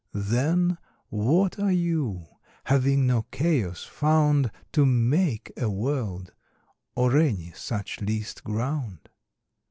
Then what are You, having no Chaos found To make a World, or any such least ground?